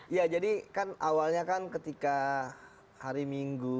ya jadi kan awalnya kan ketika hari minggu